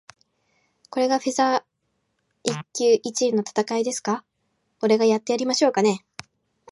これがフェザー級一位の戦いですか？俺がやってやりましょうかね。